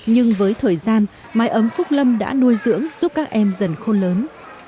nhưng với thời gian mái ấm phúc lâm đã nuôi dưỡng giúp các em dần khôn lớn